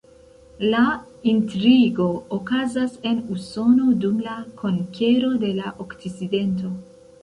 La intrigo okazas en Usono dum la konkero de la okcidento.